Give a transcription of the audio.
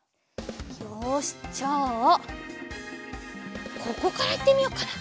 よしじゃあここからいってみよっかな。